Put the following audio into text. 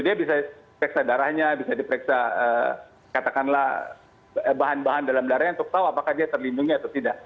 dia bisa periksa darahnya bisa diperiksa katakanlah bahan bahan dalam darahnya untuk tahu apakah dia terlindungi atau tidak